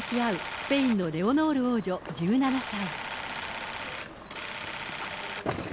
スペインのレオノール王女１７歳。